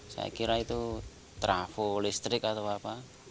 saya kira itu trafo listrik atau apa